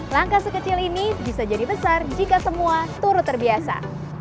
langkah sekecil ini bisa jadi besar jika semua turut terbiasa